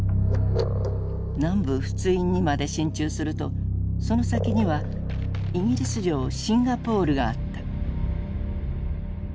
南部仏印にまで進駐するとその先にはイギリス領シンガポールがあった。